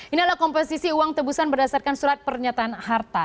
ini adalah komposisi uang tebusan berdasarkan surat pernyataan harta